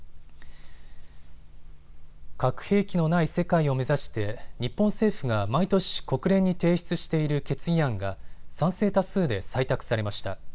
核兵器のない世界を目指して日本政府が毎年、国連に提出している決議案が賛成多数で採択されました。